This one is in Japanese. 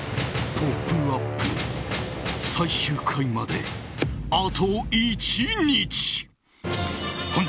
「ポップＵＰ！」最終回まであと１日。